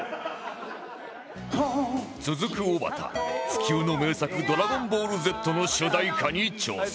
続くおばた不朽の名作『ドラゴンボール Ｚ』の主題歌に挑戦